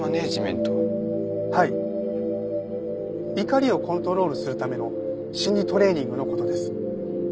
怒りをコントロールするための心理トレーニングの事です。